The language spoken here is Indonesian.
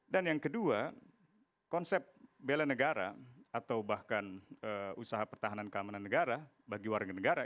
dan yang kedua konsep bela negara atau bahkan usaha pertahanan dan keamanan negara bagi warga negara